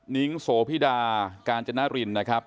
นิ้งโสพิดากาญจนรินนะครับ